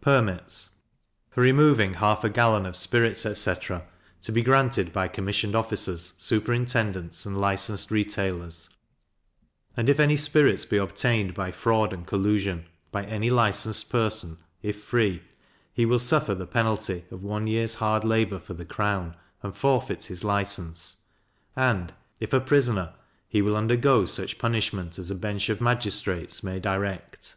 Permits for removing half a gallon of spirits, etc. to be granted by commissioned officers, superintendants, and licensed retailers; and if any spirits be obtained by fraud and collusion, by any licensed person, if free, he will suffer the penalty of one year's hard labour for the crown, and forfeit his license; and, if a prisoner, he will undergo such punishment as a bench of magistrates may direct.